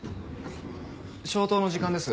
消灯の時間です。